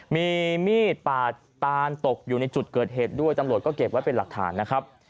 มีมีดปาดตานตกอยู่ในจุดเกิดเหตุด้วยตำรวจก็เก็บไว้เป็นหลักฐานนะครับ